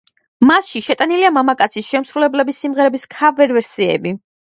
მასში შეტანილია მამაკაცი შემსრულებლების სიმღერების ქავერ ვერსიები.